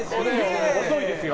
遅いですよ。